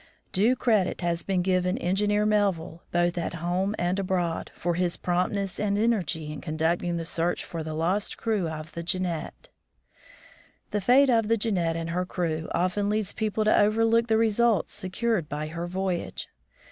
Due credit has been given Engineer Melville, both at home and abroad, for his promptness and energy in conducting the search for the lost crew of the Jeannette. The fate of the Jeannette and her crew often leads people to overlook the results secured by her voyage.